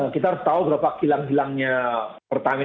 kita tahu berapa kilang kilangnya pertamina